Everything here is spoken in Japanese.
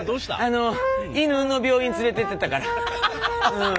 あの犬の病院連れてってたからうん。